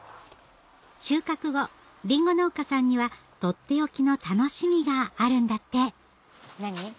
収穫後りんご農家さんにはとっておきの楽しみがあるんだって何？